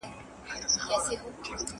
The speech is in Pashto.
تنوع ذهن تازه کوي.